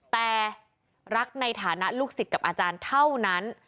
แต่รักในฐานะลูกศิษย์กับอาจารย์เท่านั้น